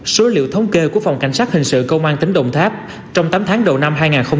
số liệu thống kê của phòng cảnh sát hình sự công an tỉnh đồng tháp trong tám tháng đầu năm hai nghìn hai mươi ba